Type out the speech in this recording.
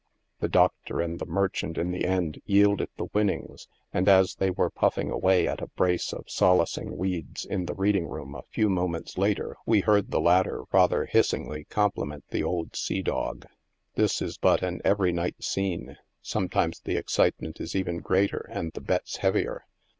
The doctor and the merchant in the end yielded the winnings, and as they were puffing away at a brace of solacing weeds in the reading room a few mo ments later, we heard the latter rather hissingly compliment the old sea dog. This is but an every night scene ; sometimes the excite ment is even greater and the bets heavier.